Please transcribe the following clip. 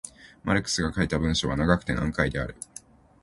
マルクスが書いた文章は長くて難解である。